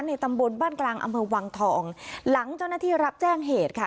ตำบลบ้านกลางอำเภอวังทองหลังเจ้าหน้าที่รับแจ้งเหตุค่ะ